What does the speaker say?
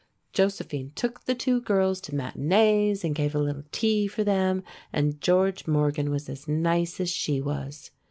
Josephine took the two girls to matinées and gave a little tea for them, and George Morgan was as nice as she was.